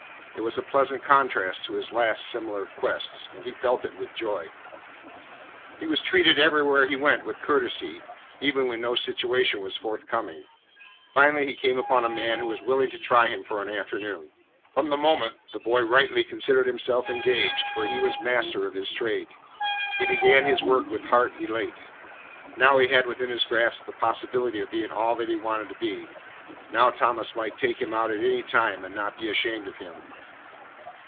It was a pleasant contrast to his last similar quest, and he felt it with joy. He was treated everywhere he went with courtesy, even when no situation was forthcoming. Finally he came upon a man who was willing to try him for an afternoon. From the moment the boy rightly considered himself engaged, for he was master of his trade. He began his work with heart elate. Now he had within his grasp the possibility of being all that he wanted to be. Now Thomas might take him out at any time and not be ashamed of him.